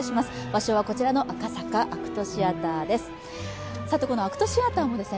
場所はこちらの赤坂ＡＣＴシアターです。